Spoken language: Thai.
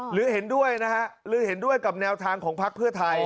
หรือเห็นด้วยนะฮะหรือเห็นด้วยกับแนวทางของพักเพื่อไทย